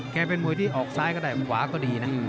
เป็นมวยที่ออกซ้ายก็ได้ขวาก็ดีนะ